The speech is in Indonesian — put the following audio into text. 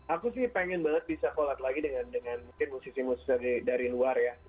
aku sih pengen banget bisa collate lagi dengan mungkin musisi musisi dari luar ya